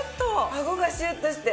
あごがシュッとして。